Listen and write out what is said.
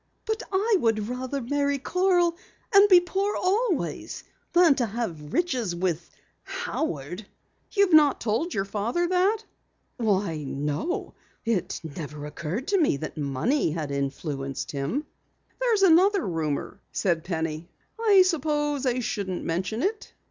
"But I would rather marry Carl and be poor always than to have riches with Howard." "You've not told your father that?" "Why, no. It never occurred to me that money had influenced him." "There's another rumor," said Penny. "I suppose I shouldn't mention it."